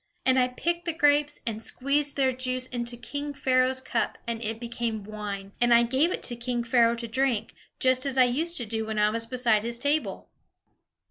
And I picked the grapes, and squeezed their juice into king Pharaoh's cup, and it became wine; and I gave it to king Pharaoh to drink, just as I used to do when I was beside his table."